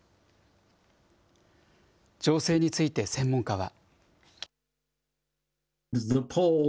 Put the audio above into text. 情勢について専門家は。